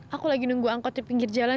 aku lagi nunggu angkot di pinggir jalan